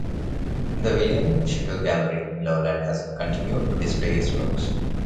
The William Schickel Gallery in Loveland has continued to display his works.